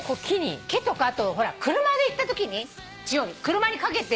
木とかあと車で行ったときに車に掛けて。